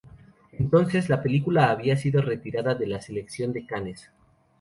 Entonces, la película había sido retirada de la selección a Canes.